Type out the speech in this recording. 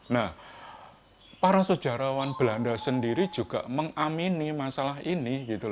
nah para sejarawan belanda sendiri juga mengamini masalah ini